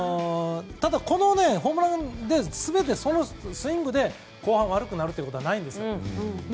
ホームランダービーのスイングで後半悪くなるということはないんです。